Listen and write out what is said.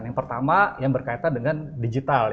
yang pertama yang berkaitan dengan digital